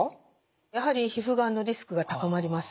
やはり皮膚がんのリスクが高まります。